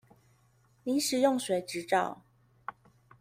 臨時用水執照